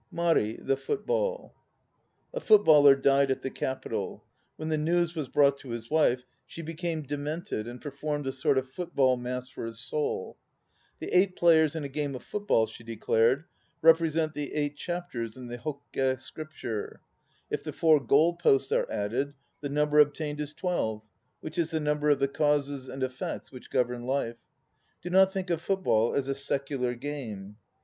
MARI (THE FOOTBALL) A FOOTBALLER died at the Capital. When the news was brought to his wife, she became demented and performed a sort of football mass for his soul. "The eight players in a game of football," she de clared, "represent the eight chapters in the Hokke Scripture. If the four goal posts are added the number obtained is twelve, which is the number of the Causes and Effects which govern life. Do not think of football as a secular game."